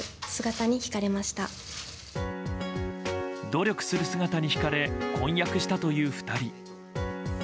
努力する姿に引かれ婚約したという２人。